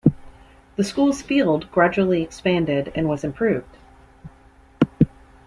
The school's field gradually expanded and was improved.